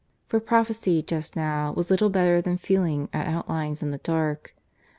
For prophecy just now was little better than feeling at outlines in the dark.